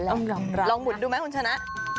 ลองหมุนดูมั้ยคุณชนะ